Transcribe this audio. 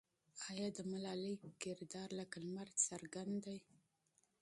آیا د ملالۍ کردار لکه لمر څرګند دی؟